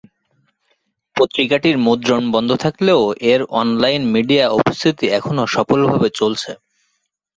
পত্রিকাটির মুদ্রণ বন্ধ থাকলেও এর অনলাইন মিডিয়া উপস্থিতি এখনও সফলভাবে চলছে।